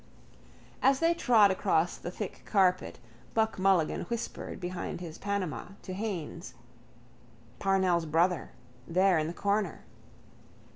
As they trod across the thick carpet Buck Mulligan whispered behind his Panama to Haines: —Parnell's brother. There in the corner.